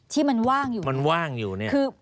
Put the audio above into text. ที่มันว่างอยู่